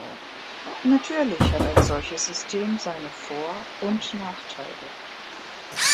Natürlich hat ein solches System seine Vor- und Nachteile.